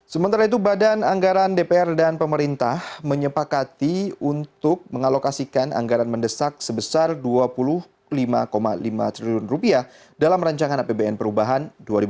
sementara itu badan anggaran dpr dan pemerintah menyepakati untuk mengalokasikan anggaran mendesak sebesar rp dua puluh lima lima triliun dalam rancangan apbn perubahan dua ribu delapan belas